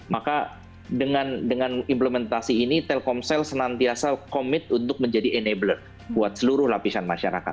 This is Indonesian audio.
maka dengan implementasi ini telkomsel senantiasa komit untuk menjadi enabler buat seluruh lapisan masyarakat